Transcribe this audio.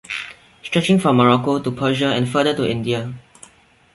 Stretching from Morocco to Persia and further to India.